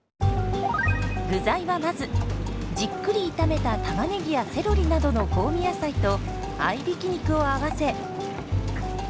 具材はまずじっくり炒めたタマネギやセロリなどの香味野菜と合いびき肉を合わせ。